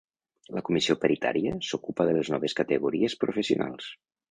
La Comissió Paritària s'ocupa de les noves categories professionals.